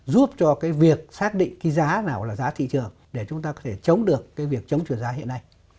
giúp cho cái việc xác định cái giá nào là giá thị trường để chúng ta có thể chống được cái việc chống chuyển giá hiện nay